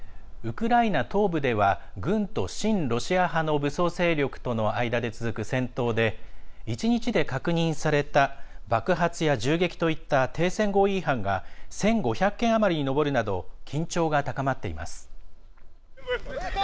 ウクライナ東部では軍と親ロシア派の武装勢力との間で続く戦闘で１日で確認された爆発や銃撃といった停戦合意違反が１５００件余りに上るなど緊張が高まっています。